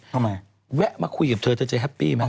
แวะมาคุยกับเธอเธอจะแฮปปี้ไหม